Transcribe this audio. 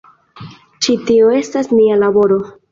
Ĉi tio estas nia laboro.